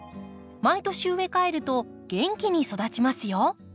毎年植え替えると元気に育ちますよ。